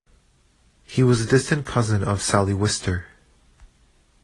He was a distant cousin of Sally Wister.